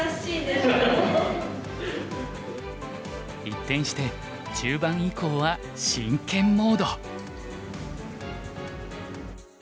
一転して中盤以降は真剣モード。